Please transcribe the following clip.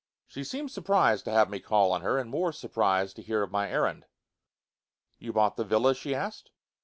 She seemed surprized to have me call on her, and more surprized to hear of my errand. "You bought the villa?" she asked.